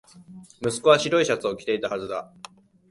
息子は白いシャツを着ていたはずだ